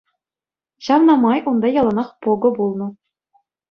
Ҫавна май унта яланах пӑкӑ пулнӑ.